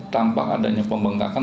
tampak adanya pembengkakan